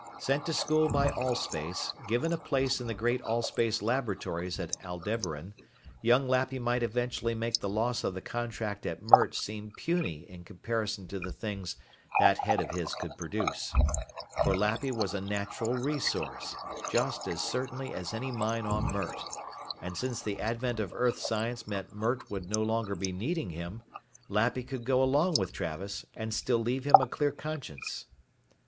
Sent to school by Allspace, given a place in the great Allspace laboratories at Aldebaran, young Lappy might eventually make the loss of the contract at Mert seem puny in comparison to the things that head of his could produce. For Lappy was a natural resource, just as certainly as any mine on Mert, and since the advent of Earth science meant Mert would no longer be needing him, Lappy could go along with Travis and still leave him a clear conscience.